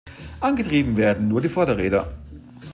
Angetrieben werden nur die Vorderräder.